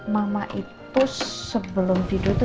mama itu sebelum tidur itu